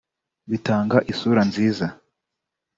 Bitanga isura itari nziza